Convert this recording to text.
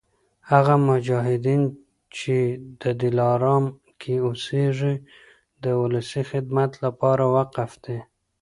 هغه مجاهدین چي په دلارام کي اوسیږي د ولسي خدمت لپاره وقف دي